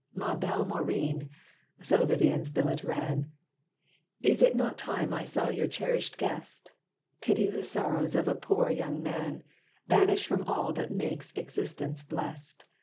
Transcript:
"Ma Belle Maurine:" (so Vivian's billet ran,) "Is it not time I saw your cherished guest? 'Pity the sorrows of a poor young man,' Banished from all that makes existence blest.